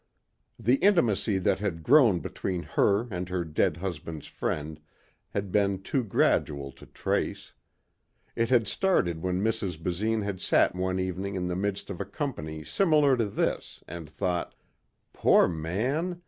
The intimacy that had grown between her and her dead husband's friend had been too gradual to trace. It had started when Mrs. Basine had sat one evening in the midst of a company similar to this and thought, "Poor man.